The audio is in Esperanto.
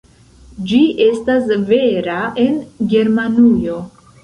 Ĝi estas vera en Germanujo.